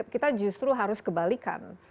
kita justru harus kebalikan